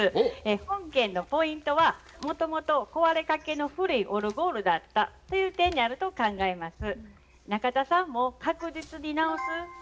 本件のポイントはもともと壊れかけの古いオルゴールだったという点にあると考えます。